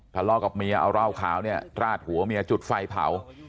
ทะเลาะกับเมียเอาเหล้าขาวเนี่ยราดหัวเมียจุดไฟเผา